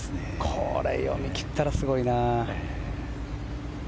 これを読み切ったらすごいな。